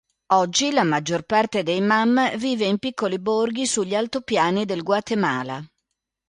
Oggi la maggior parte dei Mam vive in piccoli borghi sugli altopiani del Guatemala.